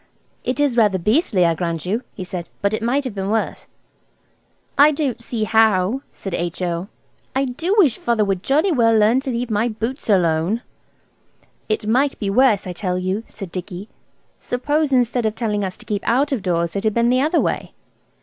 "It is rather beastly, I grant you," he said, "but it might be worse." "I don't see how," said H.O. "I do wish Father would jolly well learn to leave my boots alone." "It might be worse, I tell you," said Dicky. "Suppose instead of telling us to keep out of doors it had been the other way?"